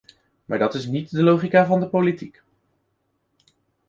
Maar dat is niet de logica van de politiek.